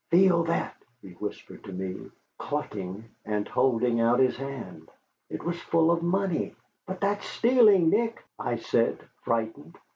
"Feel that," he whispered to me, chuckling and holding out his hand. It was full of money. "But that's stealing, Nick," I said, frightened.